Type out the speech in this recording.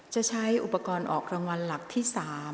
จะใช้อุปกรณ์ออกรางวัลหลักที่๓